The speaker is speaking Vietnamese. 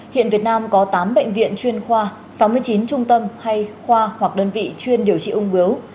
hiện việt nam có tám bệnh viện chuyên khoa sáu mươi chín trung tâm hay khoa hoặc đơn vị chuyên điều trị ung bướu